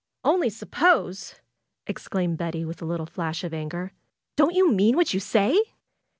"Only suppose!" exclaimed Betty, with a little flash of anger. "Don't you mean what you say?"